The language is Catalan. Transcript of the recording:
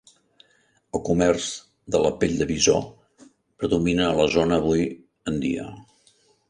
El comerç de la pell de bisó predomina a la zona avui en dia.